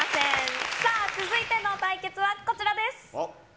さあ、続いての対決はこちらです。